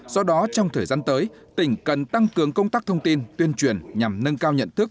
do đó trong thời gian tới tỉnh cần tăng cường công tác thông tin tuyên truyền nhằm nâng cao nhận thức